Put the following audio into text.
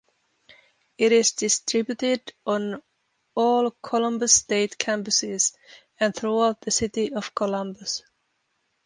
It is distributed on all Columbus State campuses and throughout the city of Columbus.